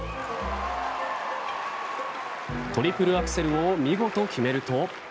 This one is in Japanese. トリプルアクセルを見事決めると。